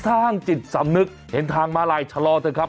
สร้างจิตสำนึกเห็นทางมาลายชะลอเถอะครับ